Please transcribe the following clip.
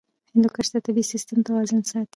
هندوکش د طبعي سیسټم توازن ساتي.